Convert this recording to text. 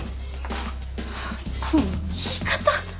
ハァその言い方。